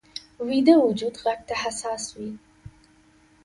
ویده وجود غږ ته حساس وي